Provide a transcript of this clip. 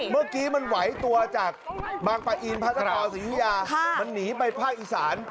เมื่อกี้มันไหวตัวจากบางปะอินพระนครศรียุธิยามันหนีไปภาคอีสาน